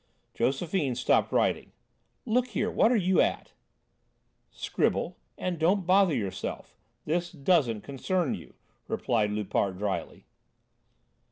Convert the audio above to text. Josephine stopped writing. "Look here, what are you at?" "Scribble, and don't bother yourself. This doesn't concern you," replied Loupart drily.